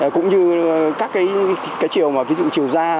cũng như các chiều ra